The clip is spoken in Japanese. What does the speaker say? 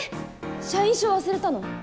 社員証忘れたの？